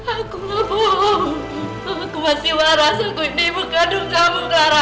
aku gak bohong aku masih waras aku ini ibu kandung kamu clara